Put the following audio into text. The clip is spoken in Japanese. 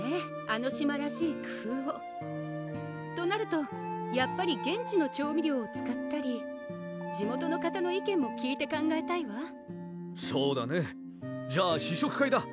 あの島らしい工夫をとなるとやっぱり現地の調味料を使ったり地元の方の意見も聞いて考えたいわそうだねじゃあ試食会だ！